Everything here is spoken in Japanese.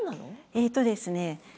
えっとですね